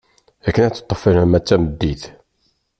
Akken ad teṭṭef alamma d tameddit.